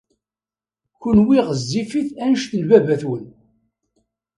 Kenwi ɣezzifit anect n baba-twen.